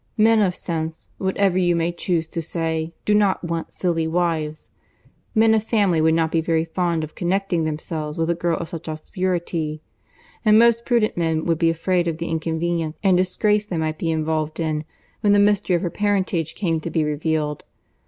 Men of sense, whatever you may chuse to say, do not want silly wives. Men of family would not be very fond of connecting themselves with a girl of such obscurity—and most prudent men would be afraid of the inconvenience and disgrace they might be involved in, when the mystery of her parentage came to be revealed.